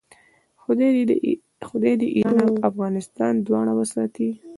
خدای دې ایران او افغانستان دواړه وساتي.